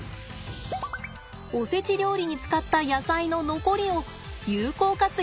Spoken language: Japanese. おせち料理に使った野菜の残りを有効活用ってわけね。